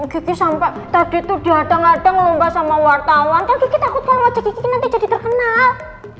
kiki sampe tadi tuh diadeng adeng lomba sama wartawan kan kiki takut kalo wajah kiki nanti jadi terkenal